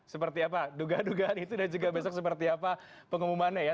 seperti apa dugaan dugaan itu dan juga besok seperti apa pengumumannya ya